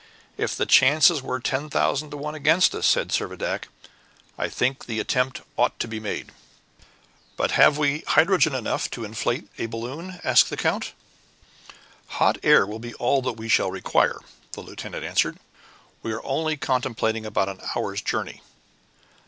"If the chances were ten thousand to one against us," said Servadac, "I think the attempt ought to be made." "But have we hydrogen enough to inflate a balloon?" asked the count. "Hot air will be all that we shall require," the lieutenant answered; "we are only contemplating about an hour's journey."